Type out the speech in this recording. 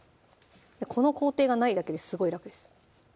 この工程がないだけですごい楽です